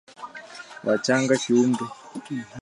wachanga kiumri